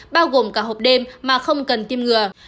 bao gồm cả hộp đêm mà không cần tiêm ngừa